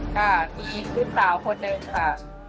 เค้าพี่ทริปศาวน์คนนึงค่ะ